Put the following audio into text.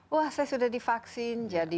wah saya sudah divaksin jadi